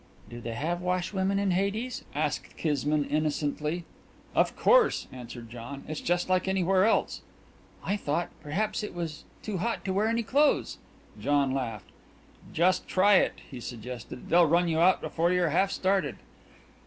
"Do they have washwomen in Hades?" asked Kismine innocently. "Of course," answered John. "It's just like anywhere else." "I thought perhaps it was too hot to wear any clothes." John laughed. "Just try it!" he suggested. "They'll run you out before you're half started."